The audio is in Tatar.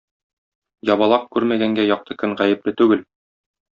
Ябалак күрмәгәнгә, якты көн гаепле түгел.